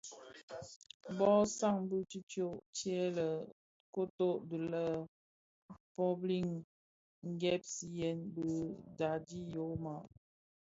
Bö san bi tishyo tya lè koton ti lè publins nghemziyèn ti daadi i Roma.